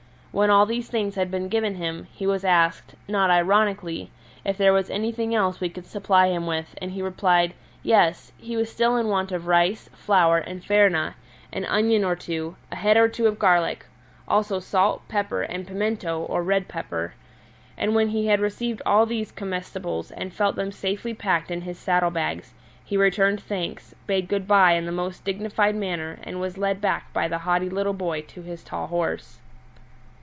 When all these things had been given him, he was asked (not ironically) if there was anything else we could supply him with, and he replied, Yes, he was still in want of rice, flour, and farina, an onion or two, a head or two of garlic, also salt, pepper, and pimento, or red pepper. And when he had received all these comestibles and felt them safely packed in his saddle bags, he returned thanks, bade good bye in the most dignified manner, and was led back by the haughty little boy to his tall horse.